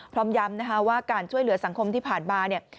พร้อมย้ำนะคะว่าการช่วยเหลือสังคมที่ผ่านมาเนี่ย